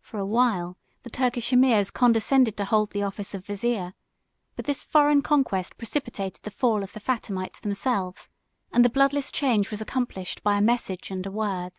For a while, the Turkish emirs condescended to hold the office of vizier; but this foreign conquest precipitated the fall of the Fatimites themselves; and the bloodless change was accomplished by a message and a word.